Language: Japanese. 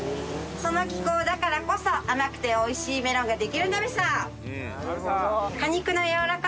その気候だからこそ甘くて美味しいメロンができるんだべさ！